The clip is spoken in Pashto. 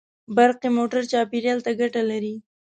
برقي موټر چاپېریال ته ګټه لري.